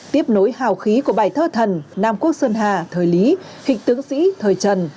tiếp nối hào khí của bài thơ thần nam quốc sơn hà thời lý kịch tướng sĩ thời trần